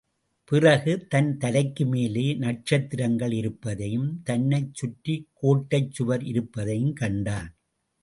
பிறகு தன் தலைக்குமேலே நட்சத்திரங்கள் இருப்பதையும், தன்னைச் சுற்றிக் கோட்டைச் சுவர் இருப்பதையும் கண்டான்.